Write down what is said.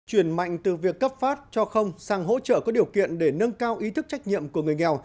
chuyển mạnh từ việc cấp phát cho không sang hỗ trợ có điều kiện để nâng cao ý thức trách nhiệm của người nghèo